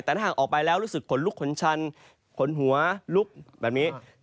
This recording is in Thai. ถ้าถ้าออกไปแล้วรู้สึกขนลุกขนชันขนหัวนะครับ